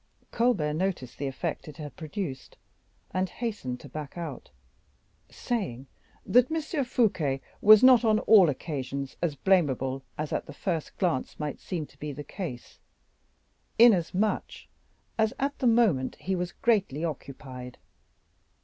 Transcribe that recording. Colbert noticed the effect it had produced, and hastened to back out, saying that M. Fouquet was not on all occasions as blamable as at the first glance might seem to be the case, inasmuch as at that moment he was greatly occupied.